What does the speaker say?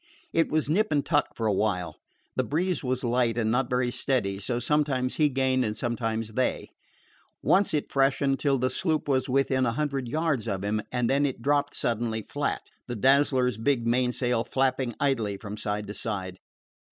It was nip and tuck for a while. The breeze was light and not very steady, so sometimes he gained and sometimes they. Once it freshened till the sloop was within a hundred yards of him, and then it dropped suddenly flat, the Dazzler's big mainsail flapping idly from side to side.